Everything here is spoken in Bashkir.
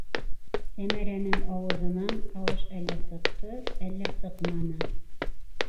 - Сәмәрәнең ауыҙынан тауыш әллә сыҡты, әллә сыҡманы.